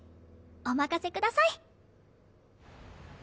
お任せください！